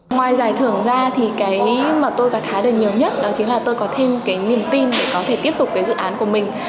ngoài giải thưởng ra thì cái mà tôi gạt hái được nhiều nhất đó chính là tôi có thêm cái niềm tin để có thể tiếp tục cái dự án của mình